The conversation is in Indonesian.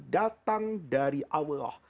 datang dari allah